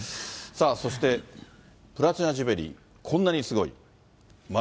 さあ、そしてプラチナ・ジュビリー、こんなにすごい。